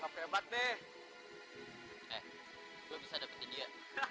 mereka gak tahu apa apa